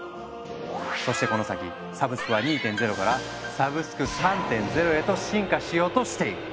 そしてこの先サブスクは２．０から「サブスク３．０」へと進化しようとしている。